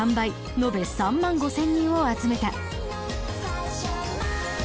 延べ３万５，０００人を集めた。